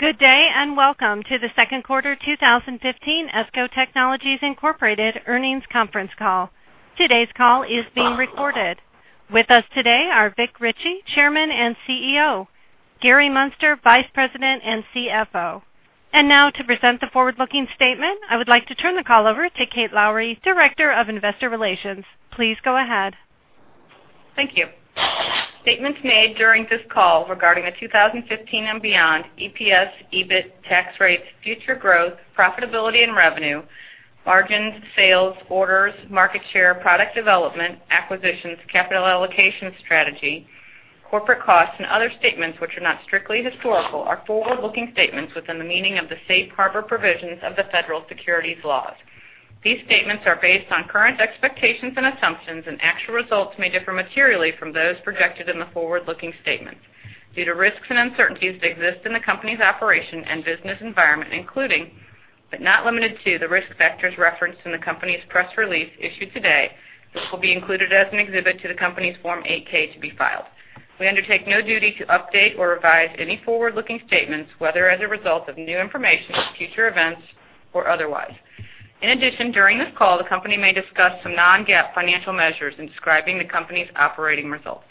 Good day, and welcome to the second quarter 2015 ESCO Technologies Incorporated earnings conference call. Today's call is being recorded. With us today are Vic Richey, Chairman and CEO, and Gary Muenster, Vice President and CFO. And now to present the forward-looking statement, I would like to turn the call over to Kate Lowrey, Director of Investor Relations. Please go ahead. Thank you. Statements made during this call regarding the 2015 and beyond EPS, EBIT, tax rates, future growth, profitability and revenue, margins, sales, orders, market share, product development, acquisitions, capital allocation strategy, corporate costs, and other statements which are not strictly historical, are forward-looking statements within the meaning of the safe harbor provisions of the federal securities laws. These statements are based on current expectations and assumptions, and actual results may differ materially from those projected in the forward-looking statements due to risks and uncertainties that exist in the company's operation and business environment, including, but not limited to, the risk factors referenced in the company's press release issued today, which will be included as an exhibit to the company's Form 8-K to be filed. We undertake no duty to update or revise any forward-looking statements, whether as a result of new information, future events, or otherwise. In addition, during this call, the company may discuss some non-GAAP financial measures in describing the company's operating results.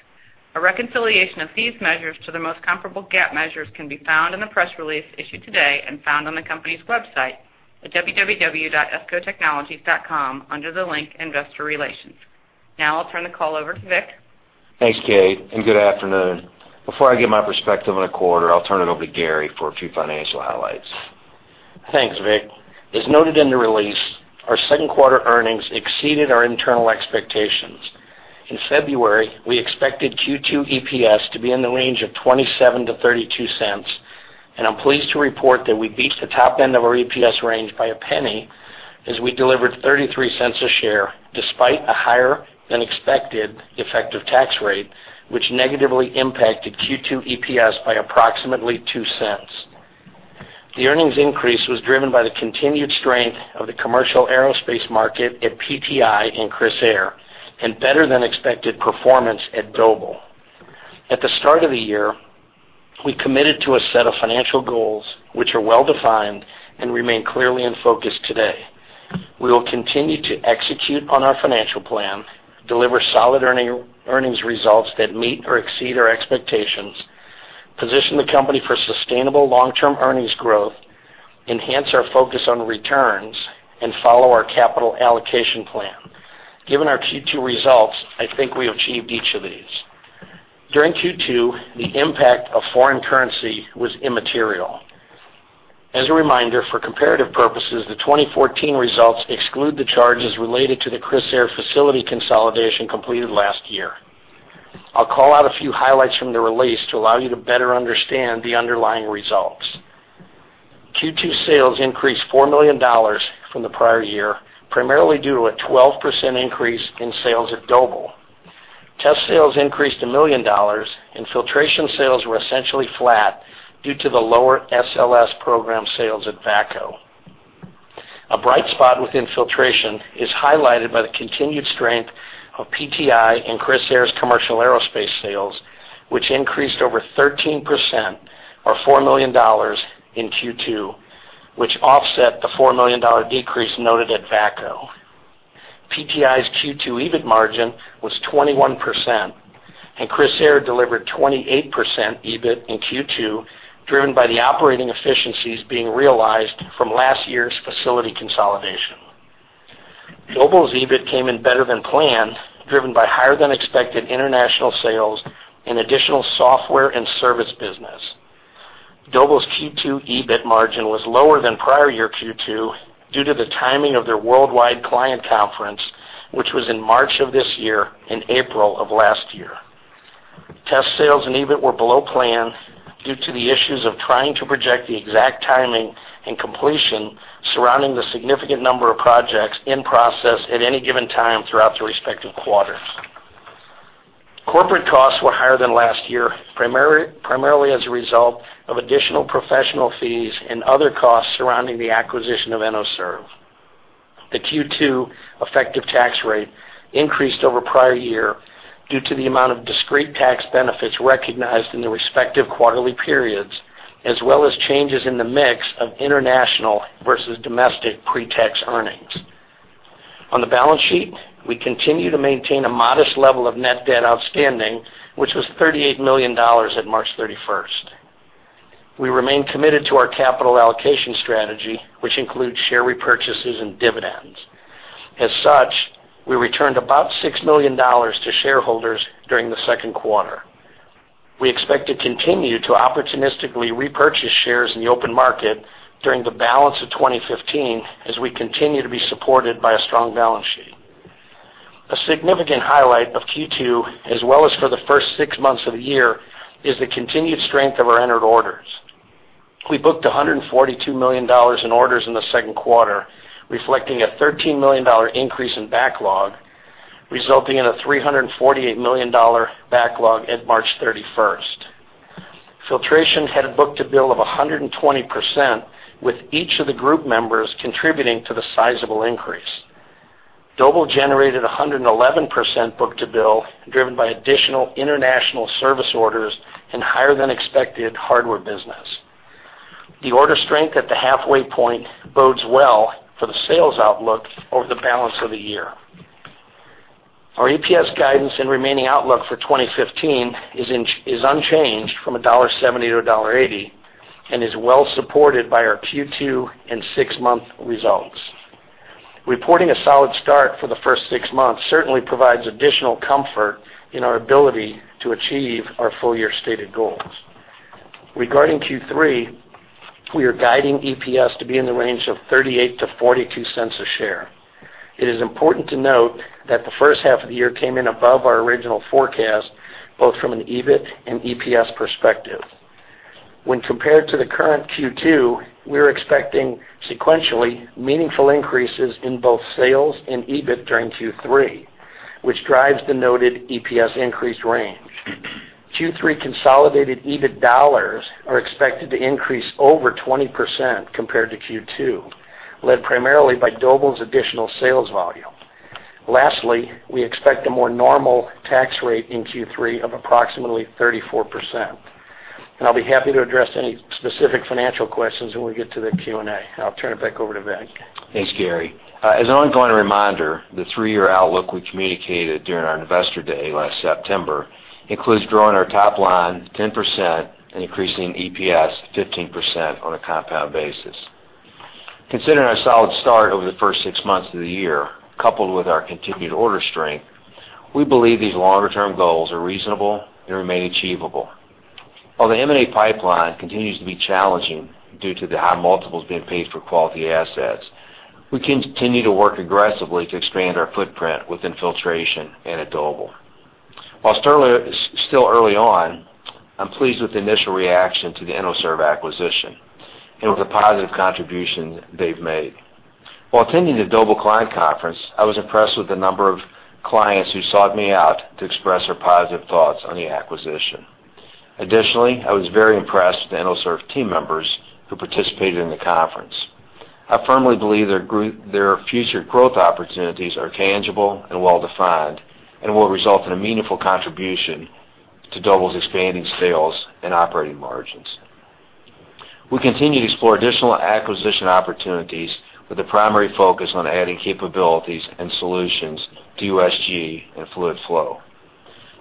A reconciliation of these measures to the most comparable GAAP measures can be found in the press release issued today and found on the company's website at www.escotechnologies.com, under the link Investor Relations. Now I'll turn the call over to Vic. Thanks, Kate, and good afternoon. Before I give my perspective on the quarter, I'll turn it over to Gary for a few financial highlights. Thanks, Vic. As noted in the release, our second quarter earnings exceeded our internal expectations. In February, we expected Q2 EPS to be in the range of $0.27-$0.32, and I'm pleased to report that we beat the top end of our EPS range by $0.01 as we delivered $0.33 a share, despite a higher-than-expected effective tax rate, which negatively impacted Q2 EPS by approximately $0.02. The earnings increase was driven by the continued strength of the commercial aerospace market at PTI and Crissair, and better-than-expected performance at Doble. At the start of the year, we committed to a set of financial goals which are well defined and remain clearly in focus today. We will continue to execute on our financial plan, deliver solid earnings results that meet or exceed our expectations, position the company for sustainable long-term earnings growth, enhance our focus on returns, and follow our capital allocation plan. Given our Q2 results, I think we achieved each of these. During Q2, the impact of foreign currency was immaterial. As a reminder, for comparative purposes, the 2014 results exclude the charges related to the Crissair facility consolidation completed last year. I'll call out a few highlights from the release to allow you to better understand the underlying results. Q2 sales increased $4 million from the prior year, primarily due to a 12% increase in sales at Doble. Test sales increased $1 million and filtration sales were essentially flat due to the lower SLS program sales at VACCO. A bright spot within filtration is highlighted by the continued strength of PTI and Crissair's commercial aerospace sales, which increased over 13%, or $4 million in Q2, which offset the $4 million decrease noted at VACCO. PTI's Q2 EBIT margin was 21%, and Crissair delivered 28% EBIT in Q2, driven by the operating efficiencies being realized from last year's facility consolidation. Doble's EBIT came in better than planned, driven by higher-than-expected international sales and additional software and service business. Doble's Q2 EBIT margin was lower than prior year Q2 due to the timing of their worldwide client conference, which was in March of this year, in April of last year. Test sales and EBIT were below plan due to the issues of trying to project the exact timing and completion surrounding the significant number of projects in process at any given time throughout the respective quarters. Corporate costs were higher than last year, primarily as a result of additional professional fees and other costs surrounding the acquisition of Enoserv. The Q2 effective tax rate increased over prior year due to the amount of discrete tax benefits recognized in the respective quarterly periods, as well as changes in the mix of international versus domestic pre-tax earnings. On the balance sheet, we continue to maintain a modest level of net debt outstanding, which was $38 million at March 31st. We remain committed to our capital allocation strategy, which includes share repurchases and dividends. As such, we returned about $6 million to shareholders during the second quarter. We expect to continue to opportunistically repurchase shares in the open market during the balance of 2015 as we continue to be supported by a strong balance sheet. A significant highlight of Q2, as well as for the first six months of the year, is the continued strength of our entered orders. We booked $142 million in orders in the second quarter, reflecting a $13 million increase in backlog, resulting in a $348 million backlog at March 31st. Filtration had a book to bill of 120%, with each of the group members contributing to the sizable increase. Doble generated 111% book-to-bill, driven by additional international service orders and higher than expected hardware business. The order strength at the halfway point bodes well for the sales outlook over the balance of the year. Our EPS guidance and remaining outlook for 2015 is in, is unchanged from $1.70-$1.80, and is well supported by our Q2 and six-month results. Reporting a solid start for the first six months certainly provides additional comfort in our ability to achieve our full-year stated goals. Regarding Q3, we are guiding EPS to be in the range of $0.38-$0.42 a share. It is important to note that the first half of the year came in above our original forecast, both from an EBIT and EPS perspective. When compared to the current Q2, we're expecting sequentially meaningful increases in both sales and EBIT during Q3, which drives the noted EPS increased range. Q3 consolidated EBIT dollars are expected to increase over 20% compared to Q2, led primarily by Doble's additional sales volume. Lastly, we expect a more normal tax rate in Q3 of approximately 34%. I'll be happy to address any specific financial questions when we get to the Q&A. I'll turn it back over to Vic. Thanks, Gary. As an ongoing reminder, the three-year outlook we communicated during our Investor Day last September includes growing our top line 10% and increasing EPS 15% on a compound basis. Considering our solid start over the first six months of the year, coupled with our continued order strength, we believe these longer-term goals are reasonable and remain achievable. While the M&A pipeline continues to be challenging due to the high multiples being paid for quality assets, we continue to work aggressively to expand our footprint within Filtration and at Doble. While still early on, I'm pleased with the initial reaction to the Enoserv acquisition and with the positive contribution they've made. While attending the Doble client conference, I was impressed with the number of clients who sought me out to express their positive thoughts on the acquisition. Additionally, I was very impressed with the Enoserv team members who participated in the conference. I firmly believe their group, their future growth opportunities are tangible and well-defined and will result in a meaningful contribution to Doble's expanding sales and operating margins. We continue to explore additional acquisition opportunities with the primary focus on adding capabilities and solutions to USG and Fluid Flow.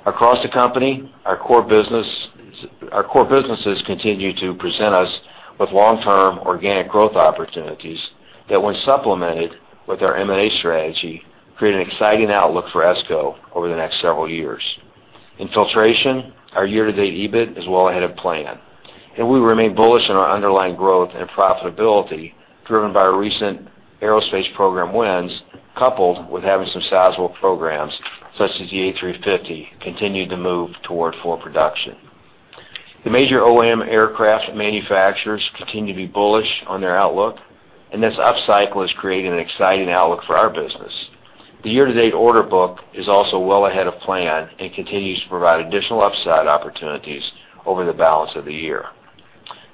Across the company, our core business, our core businesses continue to present us with long-term organic growth opportunities that, when supplemented with our M&A strategy, create an exciting outlook for ESCO over the next several years. In Filtration, our year-to-date EBIT is well ahead of plan, and we remain bullish on our underlying growth and profitability, driven by our recent aerospace program wins, coupled with having some sizable programs, such as the A350, continue to move toward full production. The major OEM aircraft manufacturers continue to be bullish on their outlook, and this upcycle is creating an exciting outlook for our business. The year-to-date order book is also well ahead of plan and continues to provide additional upside opportunities over the balance of the year.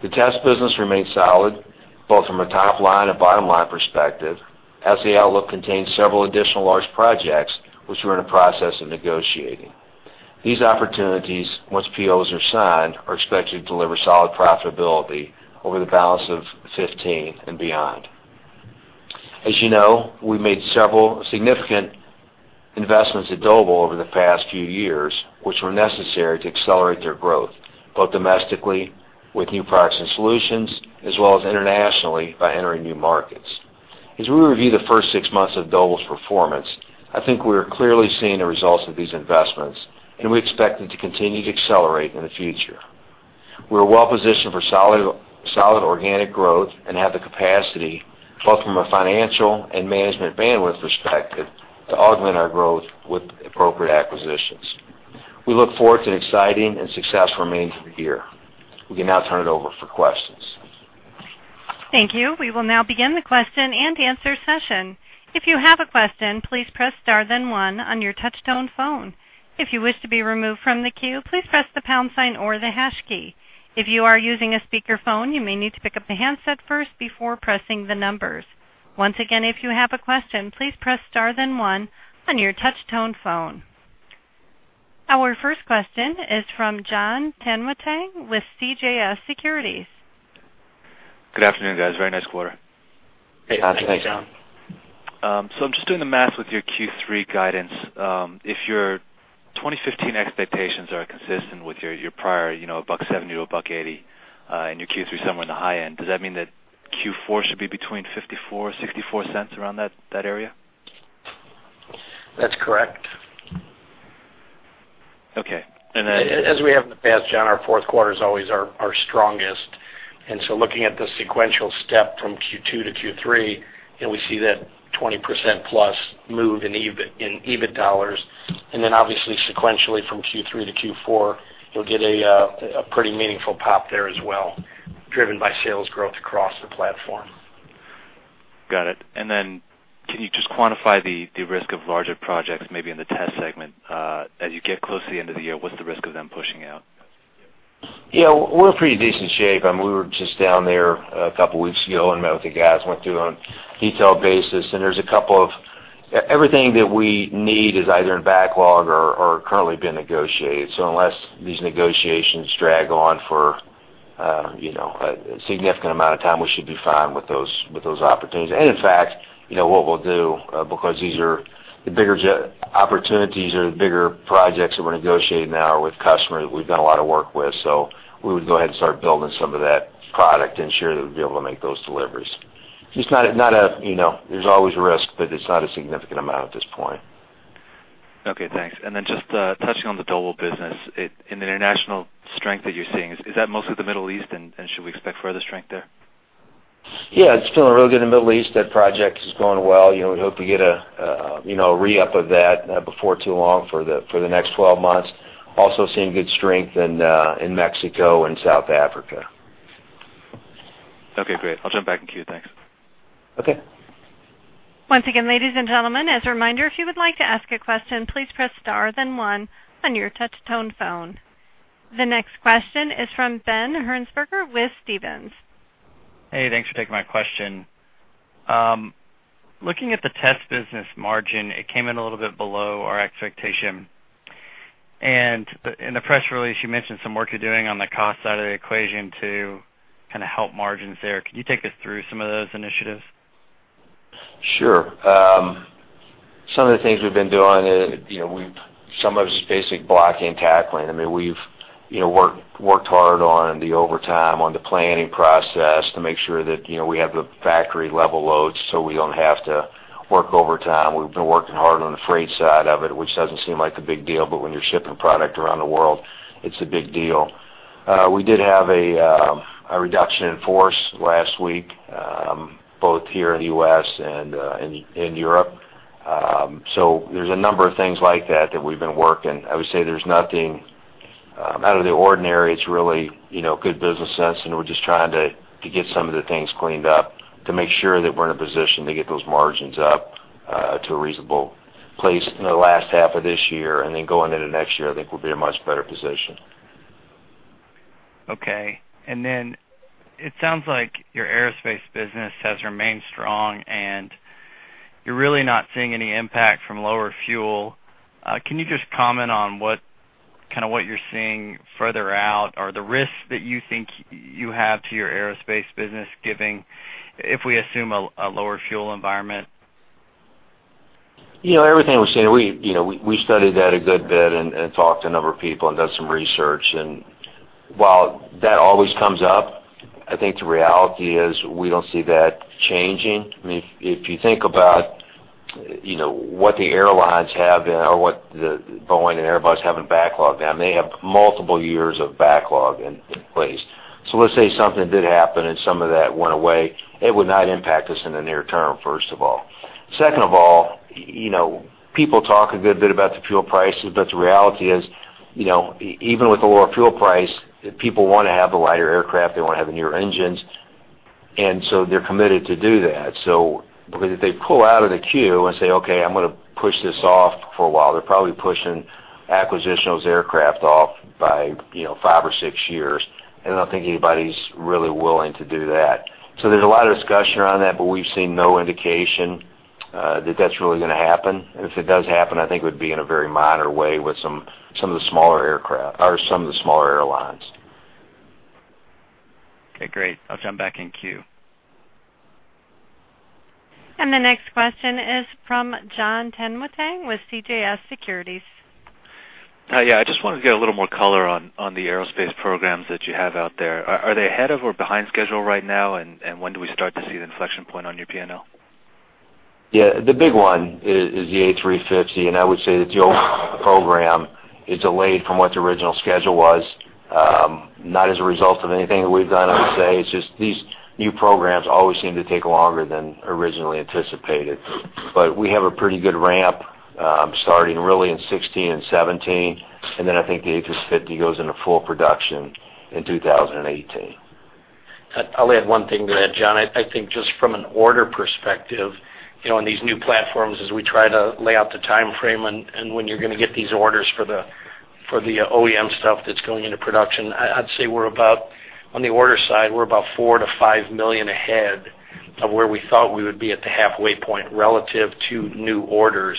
The Test business remains solid, both from a top-line and bottom-line perspective, as the outlook contains several additional large projects which we're in the process of negotiating. These opportunities, once POs are signed, are expected to deliver solid profitability over the balance of 2015 and beyond. As you know, we've made several significant investments at Doble over the past few years, which were necessary to accelerate their growth, both domestically with new products and solutions, as well as internationally by entering new markets. As we review the first six months of Doble's performance, I think we are clearly seeing the results of these investments, and we expect them to continue to accelerate in the future. We're well positioned for solid, solid organic growth and have the capacity, both from a financial and management bandwidth perspective, to augment our growth with appropriate acquisitions. We look forward to an exciting and successful remainder of the year. We can now turn it over for questions. Thank you. We will now begin the question-and-answer session. If you have a question, please press star then one on your touchtone phone. If you wish to be removed from the queue, please press the pound sign or the hash key. If you are using a speakerphone, you may need to pick up the handset first before pressing the numbers. Once again, if you have a question, please press star then one on your touchtone phone. Our first question is from John Quealy with CJS Securities. Good afternoon, guys. Very nice quarter. Thanks, John. I'm just doing the math with your Q3 guidance. If your 2015 expectations are consistent with your prior, you know, $1.70-$1.80, and your Q3 somewhere on the high end, does that mean that Q4 should be between $0.54-$0.64 around that, that area? That's correct. Okay, and then- As we have in the past, John, our fourth quarter is always our, our strongest. Looking at the sequential step from Q2-Q3, and we see that 20%+ move in EBIT, in EBIT dollars, and then obviously sequentially from Q3-Q4, you'll get a, a pretty meaningful pop there as well, driven by sales growth across the platform. Got it. Then can you just quantify the risk of larger projects, maybe in the Test segment, as you get close to the end of the year, what's the risk of them pushing out? Yeah, we're in pretty decent shape. I mean, we were just down there a couple weeks ago and met with the guys, went through on a detailed basis, and there's a couple of everything that we need is either in backlog or currently being negotiated. Unless these negotiations drag on for, you know, a significant amount of time, we should be fine with those, with those opportunities. In fact, you know, what we'll do, because these are the bigger opportunities or the bigger projects that we're negotiating now with customers that we've done a lot of work with. We would go ahead and start building some of that product to ensure that we'd be able to make those deliveries. Just not a, you know, there's always a risk, but it's not a significant amount at this point. Okay, thanks. Then just, touching on the Doble business, in the international strength that you're seeing, is that mostly the Middle East, and should we expect further strength there? Yeah, it's feeling really good in the Middle East. That project is going well. You know, we hope to get a, you know, re-up of that before too long for the next 12 months. Also seeing good strength in Mexico and South Africa. Okay, great. I'll jump back in queue. Thanks. Okay. Once again, ladies and gentlemen, as a reminder, if you would like to ask a question, please press star, then one on your touch tone phone. The next question is from Ben Hearnsberger with Stephens. Hey, thanks for taking my question. Looking at the test business margin, it came in a little bit below our expectation. In the press release, you mentioned some work you're doing on the cost side of the equation to kind of help margins there. Can you take us through some of those initiatives? Sure. Some of the things we've been doing, you know, we've some of it's just basic blocking and tackling. I mean, we've, you know, worked, worked hard on the overtime, on the planning process to make sure that, you know, we have the factory level loads, so we don't have to work overtime. We've been working hard on the freight side of it, which doesn't seem like a big deal, but when you're shipping product around the world, it's a big deal. We did have a reduction in force last week, both here in the U.S. and in Europe. There's a number of things like that that we've been working. I would say there's nothing out of the ordinary. It's really, you know, good business sense, and we're just trying to get some of the things cleaned up to make sure that we're in a position to get those margins up to a reasonable place in the last half of this year, and then going into next year, I think we'll be in a much better position. Okay. Then it sounds like your aerospace business has remained strong, and you're really not seeing any impact from lower fuel. Can you just comment on what, kind of what you're seeing further out, or the risks that you think you have to your aerospace business, giving if we assume a lower fuel environment? You know, everything we're seeing, you know, we studied that a good bit and talked to a number of people and done some research. While that always comes up, I think the reality is we don't see that changing. I mean, if you think about, you know, what the airlines have or what the Boeing and Airbus have in backlog, and they have multiple years of backlog in place. Let's say something did happen and some of that went away, it would not impact us in the near term, first of all. Second of all, you know, people talk a good bit about the fuel prices, but the reality is, you know, even with a lower fuel price, people want to have the lighter aircraft, they want to have the newer engines, and so they're committed to do that. If they pull out of the queue and say, "Okay, I'm going to push this off for a while," they're probably pushing acquisitionals aircraft off by, you know, five or six years, and I don't think anybody's really willing to do that. There's a lot of discussion around that, but we've seen no indication that that's really going to happen. If it does happen, I think it would be in a very minor way with some, some of the smaller aircraft or some of the smaller airlines. Okay, great. I'll jump back in queue. The next question is from John Quealy with CJS Securities. Yeah, I just wanted to get a little more color on the Aerospace programs that you have out there. Are they ahead of or behind schedule right now? When do we start to see the inflection point on your PNL? Yeah, the big one is the A350, and I would say that the old program is delayed from what the original schedule was, not as a result of anything that we've done. I would say it's just these new programs always seem to take longer than originally anticipated. But we have a pretty good ramp, starting really in 2016 and 2017, and then I think the A350 goes into full production in 2018. I'll add one thing to that, John. I think just from an order perspective, you know, on these new platforms, as we try to lay out the time frame and when you're going to get these orders for the OEM stuff that's going into production, I'd say, on the order side, we're about $4 million-$5 million ahead of where we thought we would be at the halfway point relative to new orders.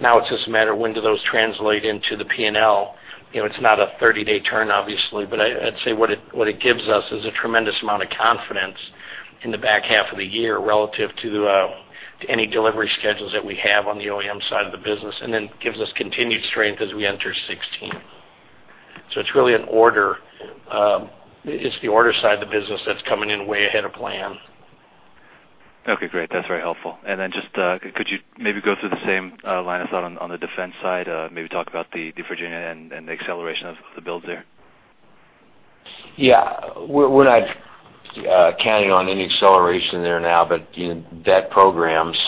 Now it's just a matter of when do those translate into the PNL? You know, it's not a 30-day turn, obviously, but I'd say what it gives us is a tremendous amount of confidence in the back half of the year relative to any delivery schedules that we have on the OEM side of the business, and then gives us continued strength as we enter 2016. It's really an order. It's the order side of the business that's coming in way ahead of plan. Okay, great. That's very helpful. Then just could you maybe go through the same line of thought on the defense side? Maybe talk about the, the Virginia and, and the acceleration of the builds there? Yeah, we're not counting on any acceleration there now, but, you know, that program's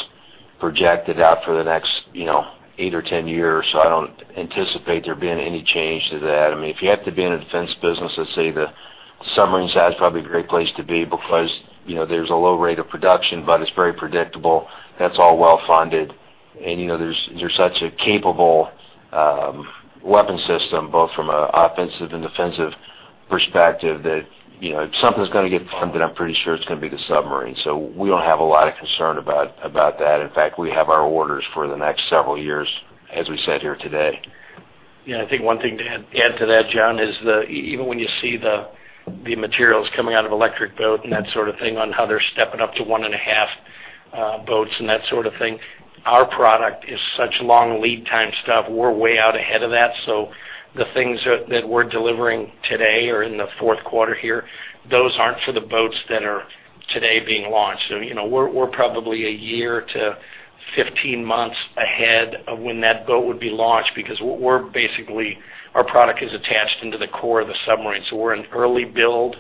projected out for the next, you know, 8 or 10 years, so I don't anticipate there being any change to that. I mean, if you have to be in a defense business, let's say submarines is probably a great place to be because, you know, there's a low rate of production, but it's very predictable. That's all well-funded, and, you know, there's, they're such a capable weapon system, both from an offensive and defensive perspective, that, you know, if something's gonna get funded, I'm pretty sure it's gonna be the submarine. We don't have a lot of concern about that. In fact, we have our orders for the next several years, as we said here today. Yeah, I think one thing to add to that, John, is the even when you see the materials coming out of Electric Boat and that sort of thing, on how they're stepping up to 1.5 boats and that sort of thing, our product is such long lead time stuff. We're way out ahead of that. The things that we're delivering today or in the fourth quarter here, those aren't for the boats that are today being launched. You know, we're probably a year to 15 months ahead of when that boat would be launched, because what we're basically, our product is attached into the core of the submarine. We're an early build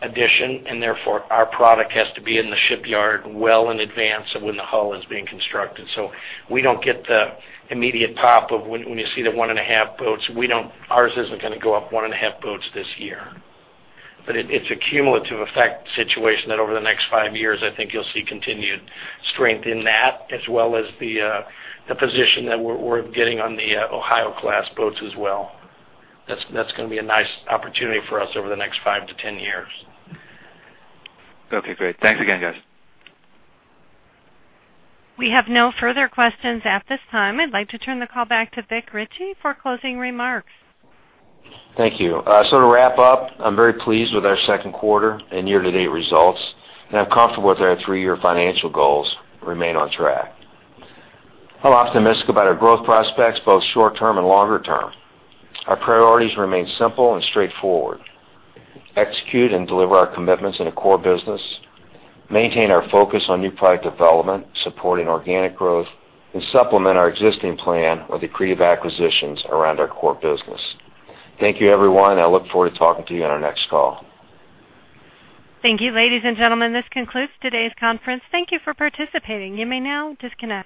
addition, and therefore, our product has to be in the shipyard well in advance of when the hull is being constructed. We don't get the immediate pop when you see the 1.5 boats. Ours isn't gonna go up 1.5 boats this year. It's a cumulative effect situation that over the next five years, I think you'll see continued strength in that, as well as the position that we're getting on the Ohio-class boats as well. That's gonna be a nice opportunity for us over the next 5 years-10 years. Okay, great. Thanks again, guys. We have no further questions at this time. I'd like to turn the call back to Vic Richey for closing remarks. Thank you. To wrap up, I'm very pleased with our second quarter and year-to-date results, and I'm comfortable with our three-year financial goals remain on track. I'm optimistic about our growth prospects, both short term and longer term. Our priorities remain simple and straightforward: execute and deliver our commitments in the core business, maintain our focus on new product development, supporting organic growth, and supplement our existing plan of accretive acquisitions around our core business. Thank you, everyone, and I look forward to talking to you on our next call. Thank you, ladies and gentlemen, this concludes today's conference. Thank you for participating. You may now disconnect.